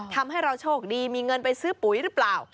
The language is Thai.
ทำให้เราโชคดีมีเงินไปซื้อปุ๋ยหรือเปล่า